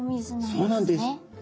そうなんです。